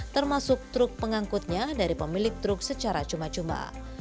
termasuk truk pengangkutnya dari pemilik truk secara cuma cuma